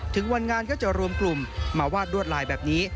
ถึงวันงานก็จะรวมกลุ่มมาวาดรวดลายแบบนี้